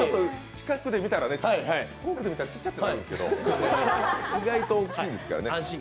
近くで見たら、遠くで見たらちっちゃくなるんですけど意外と大きいですからね。